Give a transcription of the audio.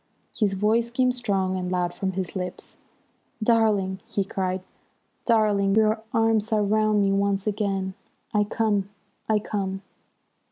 His voice came strong and loud from his lips. "Darling!" he cried. "Darling, your arms are round me once again! I come! I come!"